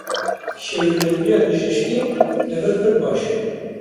Şêwirmendiya bijîşkî li vir pir baş e.